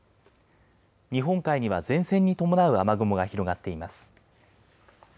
日本海には前線に伴う雨雲が広がっています。